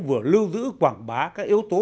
vừa lưu giữ quảng bá các yếu tố